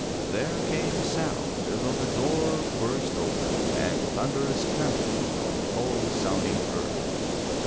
There came a sound as of a door burst open and thunderous trampling on the hollow sounding earth.